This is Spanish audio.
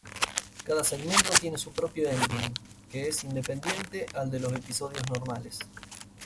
Cada segmento tiene su propio ending, que es independiente al de los episodios normales.